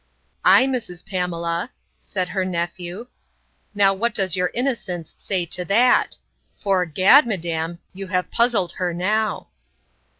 —Ay, Mrs. Pamela, said her nephew, now what does your innocence say to that?—'Fore gad, madam, you have puzzled her now.